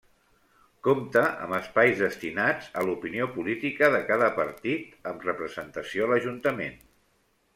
Compta amb espais destinats a l'opinió política de cada partit amb representació a l'ajuntament.